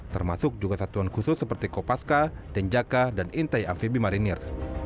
termasuk juga satuan khusus seperti kopaska denjaka dan intai amfibi marinir